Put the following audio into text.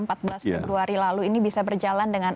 februari lalu ini bisa berjalan dengan